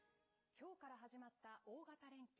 きょうから始まった大型連休。